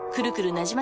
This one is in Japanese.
なじま